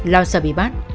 lao sợ bị bắt